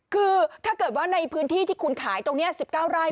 คือถ้าเกิดว่าในพื้นที่ที่คุณขายตรงนี้๑๙ไร่